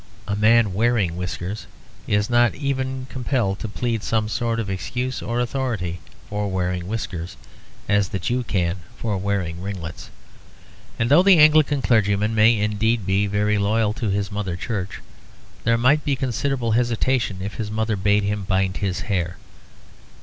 A man wearing whiskers is not even compelled to plead some sort of excuse or authority for wearing whiskers, as the Jew can for wearing ringlets; and though the Anglican clergyman may indeed be very loyal to his mother church, there might be considerable hesitation if his mother bade him bind his hair.